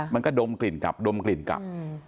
มันก็ดมกลิ่นกลับดมกลิ่นกลับ